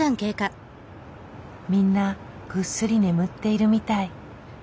みんなぐっすり眠っているみたい。